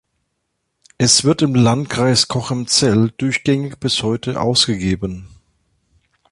Es wird im Landkreis Cochem-Zell durchgängig bis heute ausgegeben.